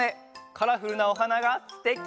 カラフルなおはながすてき！